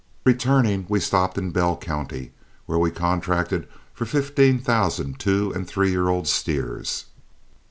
Returning, we stopped in Bell County, where we contracted for fifteen thousand two and three year old steers.